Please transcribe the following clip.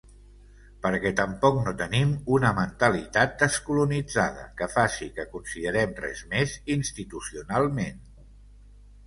Perquè tampoc no tenim una mentalitat descolonitzada que faci que considerem res més institucionalment.